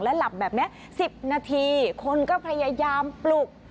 หลับแบบนี้๑๐นาทีคนก็พยายามปลุก